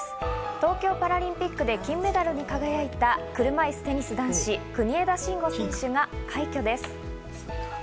東京パラリンピックで金メダルに輝いた車いすテニス男子、国枝慎吾選手が快挙です。